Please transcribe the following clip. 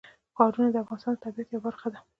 ښارونه د افغانستان د طبیعت یوه برخه ده.